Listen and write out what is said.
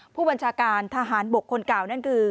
ผู้บัญชาการทหารบกคนเก่านั่นคือ